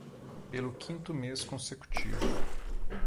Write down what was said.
Pelo quinto mês consecutivo